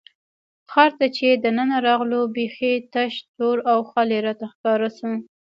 ښار ته چې دننه راغلو، بېخي تش، تور او خالي راته ښکاره شو.